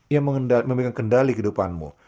yang memegang kendali kehidupanmu